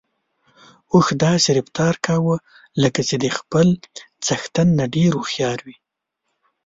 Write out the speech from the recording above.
اوښ داسې رفتار کاوه لکه چې د خپل څښتن نه ډېر هوښيار وي.